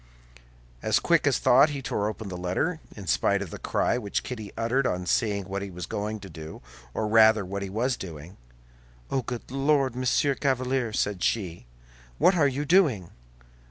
As quick as thought, he tore open the letter, in spite of the cry which Kitty uttered on seeing what he was going to do, or rather, what he was doing. "Oh, good Lord, Monsieur Chevalier," said she, "what are you doing?"